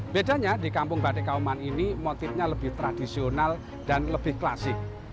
bedanya di kampung bade kauman ini motifnya lebih tradisional dan lebih klasik